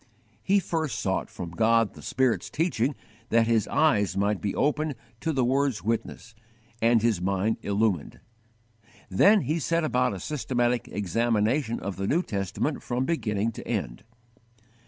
He first sought from God the Spirit's teaching that his eyes might be opened to the Word's witness, and his mind illumined; then he set about a systematic examination of the New Testament from beginning to end.